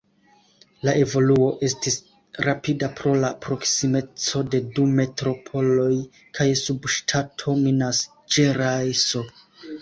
La evoluo estis rapida pro la proksimeco de du metropoloj kaj subŝtato Minas-Ĝerajso.